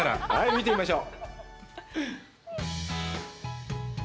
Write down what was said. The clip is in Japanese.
見てみましょう。